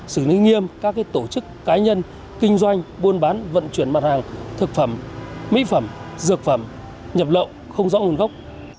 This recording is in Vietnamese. xử lý nghiêm các tổ chức cá nhân kinh doanh buôn bán vận chuyển mặt hàng thực phẩm mỹ phẩm dược phẩm nhập lậu không rõ nguồn gốc